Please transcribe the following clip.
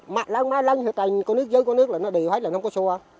mái lăng mái lăng có nước dưới có nước là nó đều hết là nó không có xua